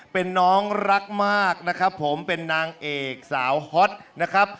เป็นน้องรักมากนะครับผมเป็นนางเอกสาวฮอตนะครับ